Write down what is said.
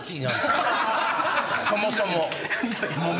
そもそも！